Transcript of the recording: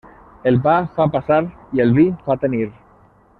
El pa fa passar i el vi fa tenir.